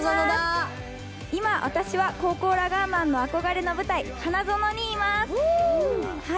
今、私は高校ラガーマンの憧れの舞台、花園にいます。